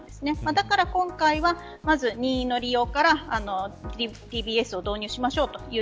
だから今回はまず任意の利用からＤＢＳを導入しましょうという